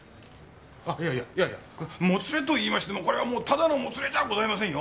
いやいやいやいやもつれといいましてもこれはもうただのもつれじゃございませんよ。